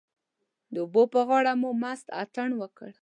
د اوبو پر غاړه مو مست اتڼ وکړ.